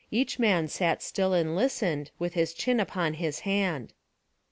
Each man sat still and listened, with his chin upon his hand.